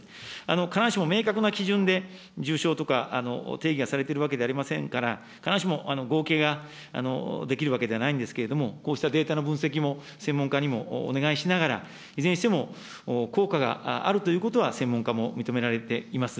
必ずしも明確な基準で、重症とか、定義がされているわけではありませんから、必ずしも合計ができるわけではないんですけれども、こうしたデータの分析も、専門家にもお願いしながら、いずれにしても、効果があるということは専門家も認められています。